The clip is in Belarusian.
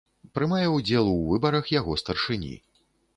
Прымае ўдзел у выбарах яго старшыні.